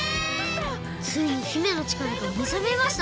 ついに姫のちからがめざめました！